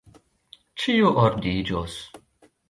Ĉio ordiĝos!